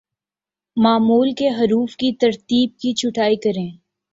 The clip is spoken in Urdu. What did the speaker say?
معمول کے حروف کی ترتیب کی چھٹائی کریں